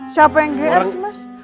siapa yang gr sih mas